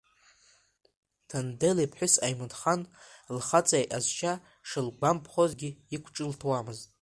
Ҭандел иԥҳәыс Ҟаимҭхан лхаҵа иҟазшьа шылгәамԥхозгьы иқәҿылҭуамызт.